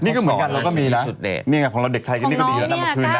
นี่เหมือนกันเราก็มีนะนี่ไงของเราเด็กไทยก็ได้เยอะมากคืนน่ะ